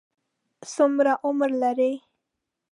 څومره عمر لري؟